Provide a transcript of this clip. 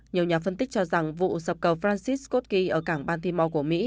nhiều nhà phân tích cho rằng vụ sập cầu francis scott key ở cảng baltimore của mỹ